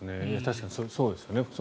確かにそうですね。